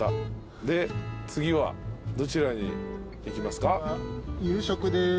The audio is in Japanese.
で次はどちらに行きますか？